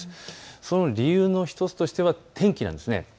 その理由の１つとしては天気です。